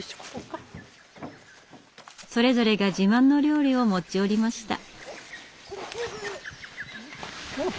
それぞれが自慢の料理を持ち寄りました。